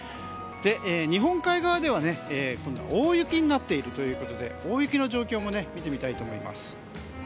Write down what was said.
日本海側では大雪になっているということで大雪の状況も見てみたいと思います。